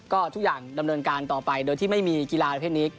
ก็ทุกอย่างดำเนินการต่อไปโดยที่ไม่มีกีฬาประเภทนี้